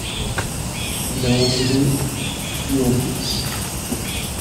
Il a environ clients fixe.